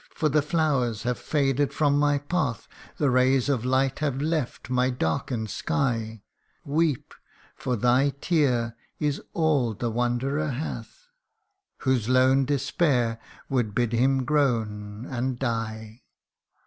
for the flowers have faded from my path, The rays of light have left my darken'd sky : Weep ! for thy tear is all the wanderer hath, Whose lone despair would bid him groan and die :' CANTO II.